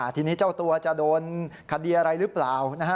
ทีนี้เจ้าตัวจะโดนคดีอะไรหรือเปล่า